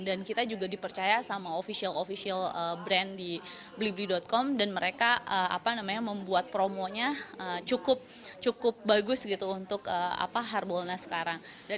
dan kita juga dipercaya sama official official brand di blibli com dan mereka membuat promonya cukup bagus untuk harbolnas sekarang